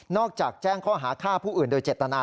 จากแจ้งข้อหาฆ่าผู้อื่นโดยเจตนา